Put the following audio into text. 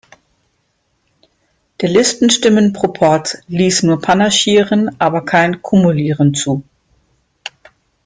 Der Listenstimmen-Proporz liess nur Panaschieren, aber kein Kumulieren zu.